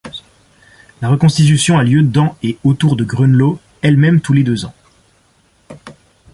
La reconstitution a lieu dans et autour de Groenlo elle-même tous les deux ans.